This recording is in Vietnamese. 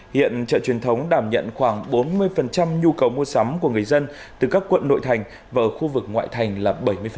hiện chợ truyền thống đảm nhận khoảng bốn mươi nhu cầu mua sắm của người dân từ các quận nội thành và ở khu vực ngoại thành là bảy mươi